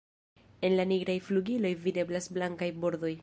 En la nigraj flugiloj videblas blankaj bordoj.